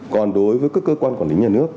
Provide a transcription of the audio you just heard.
còn đối với các cơ quan quản lý nhà nước